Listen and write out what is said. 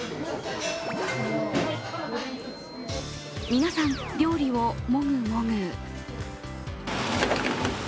皆さん、料理をもぐもぐ。